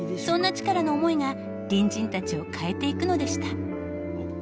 そんなチカラの思いが隣人たちを変えていくのでした。